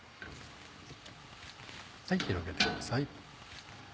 広げてください。